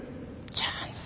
チャンス。